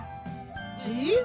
えっ！？